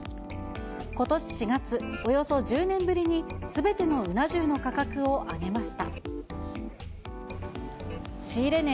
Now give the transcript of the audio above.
ことし４月、およそ１０年ぶりにすべてのうな重の価格を上げました。